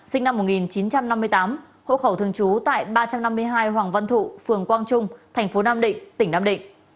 sinh năm một nghìn chín trăm năm mươi tám hộ khẩu thường trú tại ba trăm năm mươi hai hoàng văn thụ phường quang trung thành phố nam định tỉnh nam định